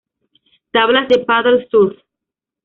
Tablas de paddle surf